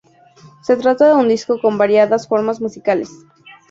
Se trata de un disco con variadas formas musicales.